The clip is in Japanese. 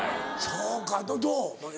そうかどう？